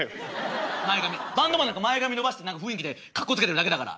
バンドマンなんか前髪伸ばして何か雰囲気でかっこつけてるだけだから。